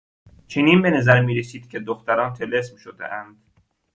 چنین به نظر میرسید که دختران طلسم شدهاند.